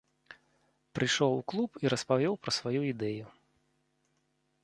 Прыйшоў у клуб і распавёў пра сваю ідэю.